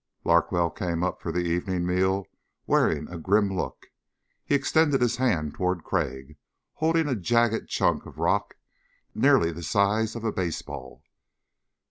Larkwell came up for the evening meal wearing a grim look. He extended his hand toward Crag, holding a jagged chunk of rock nearly the size of a baseball.